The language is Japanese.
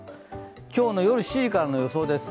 今日の夜７時からの予想です。